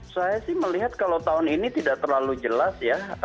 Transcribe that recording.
saya sih melihat kalau tahun ini tidak terlalu jelas ya